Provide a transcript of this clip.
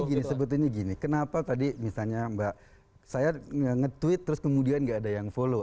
gini sebetulnya gini kenapa tadi misalnya mbak saya nge tweet terus kemudian gak ada yang follow